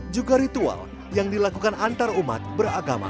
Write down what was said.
juga ritual yang dilakukan antar umat beragama